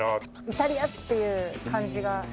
イタリアっていう感じがしない。